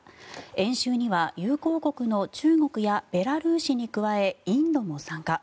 演習には友好国の中国やベラルーシに加えインドも参加。